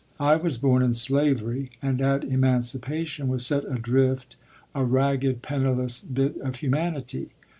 I was born in slavery, and at emancipation was set adrift a ragged, penniless bit of humanity.